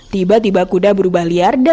tiba tiba kuda berubah liar dan tidak ada